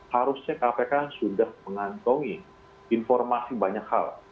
harusnya kpk sudah mengantongi informasi banyak hal